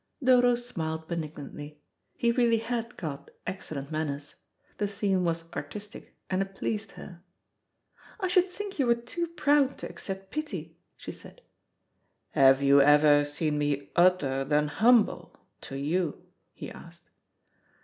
Dodo smiled benignantly. He really had got excellent manners. The scene was artistic, and it pleased her. "I should think you were too proud to accept pity," she said. "Have you ever seen me other than humble to you?" he asked.